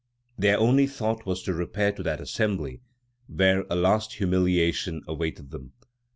Their only thought was to repair to that Assembly where a last humiliation awaited them.